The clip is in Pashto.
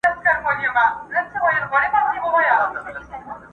راته زړه ويل چي وځغله پټېږه،